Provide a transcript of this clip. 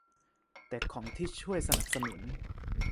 แต่ของที่ช่วยสนับสนุน